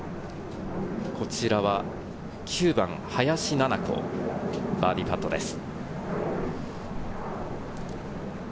こちらは９番、林菜乃子、バーディーパットです。